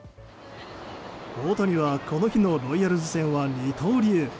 大谷はこの日のロイヤルズ戦は二刀流。